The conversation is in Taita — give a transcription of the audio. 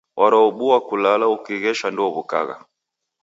Waraobua kulala ukighesha ndouw'ukagha.